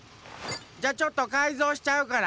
じゃちょっとかいぞうしちゃうから！